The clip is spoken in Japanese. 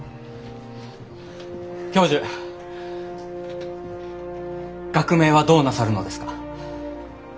教授学名はどうなさるのですか？